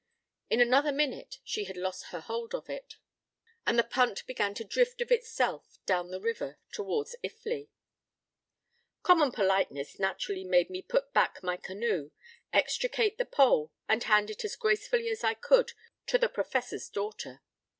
In another minute she had lost her hold of it, and the punt began to drift of itself down the river towards Iffley. Common politeness naturally made me put back my canoe, extricate the pole, and hand it as gracefully as I could to the Professor's daughter.